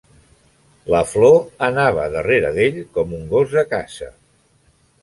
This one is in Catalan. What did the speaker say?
La Flo anava darrere d'ell com un gos de caça.